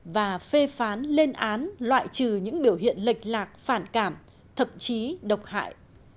và phê phán lên án loại trừ những biểu hiện lệch lạc phản cảm thậm chí độc hại